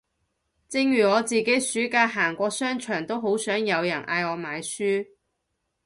正如我自己暑假行過商場都好想有人嗌我買書